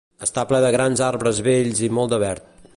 Està ple de grans arbres bells i molt de verd.